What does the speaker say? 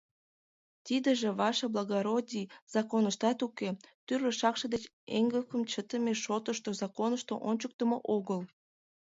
Тидыже, ваше благородий, законыштат уке: тӱрлӧ шакше деч эҥгекым чытыме шотышто законышто ончыктымо огыл...